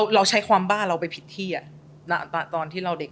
เราใช้ความบ้าเราไปผิดที่ณตอนที่เราเด็ก